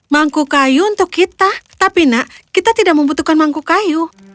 mangku kayu untuk kita tapi nak kita tidak membutuhkan mangkuk kayu